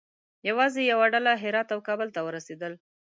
یوازې یوه ډله هرات او کابل ته ورسېدل.